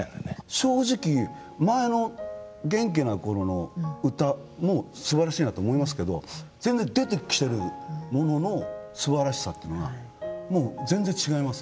正直前の元気な頃の歌もすばらしいなと思いますけど全然出てきてるもののすばらしさっていうのがもう全然違いますよ。